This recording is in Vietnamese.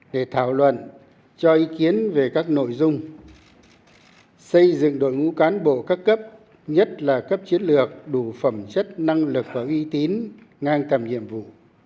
để thảo luận cho ý kiến về các nội dung xây dựng đội ngũ cán bộ các cấp nhất là cấp chiến lược đủ phẩm chất năng lực và uy tín ngang tầm nhiệm vụ